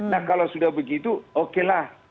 nah kalau sudah begitu oke lah